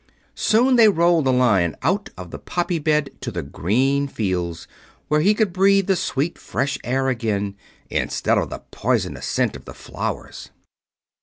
Soon they rolled the Lion out of the poppy bed to the green fields, where he could breathe the sweet, fresh air again, instead of the poisonous scent of the flowers.